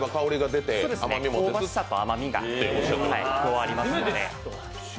香ばしさと甘みがありますので。